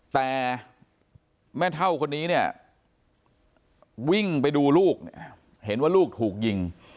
แต่แม่เท่าคนนี้เนี่ยวิ่งไปดูลูกเนี่ยเห็นว่าลูกถูกยิง